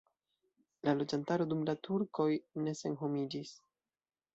La loĝantaro dum la turkoj ne senhomiĝis.